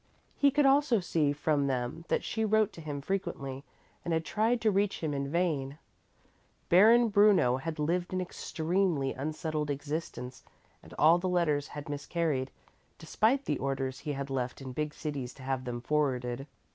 He could also see from them that she wrote to him frequently and had tried to reach him in vain. Baron Bruno had lived an extremely unsettled existence and all the letters had miscarried, despite the orders he had left in big cities to have them forwarded.